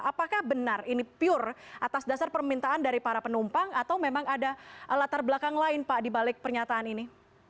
apakah benar ini pure atas dasar permintaan dari para penumpang atau memang ada latar belakang lain pak dibalik pernyataan ini